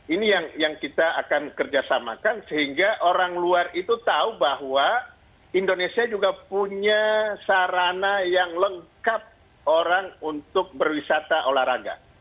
ini yang kita akan kerjasamakan sehingga orang luar itu tahu bahwa indonesia juga punya sarana yang lengkap orang untuk berwisata olahraga